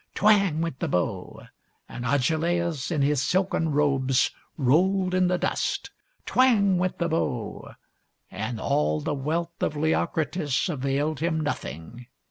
Twang ! went the bow ; and Agelaus in his silken robes rolled in the dust. Twang ! went the bow ; and all the wealth of Leocritus availed him nothing.